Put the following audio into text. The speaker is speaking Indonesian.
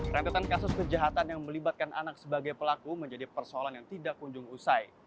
rentetan kasus kejahatan yang melibatkan anak sebagai pelaku menjadi persoalan yang tidak kunjung usai